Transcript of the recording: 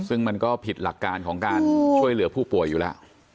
ซึ่งมันก็ผิดหลักการของการช่วยเหลือผู้ป่วยอยู่แล้ว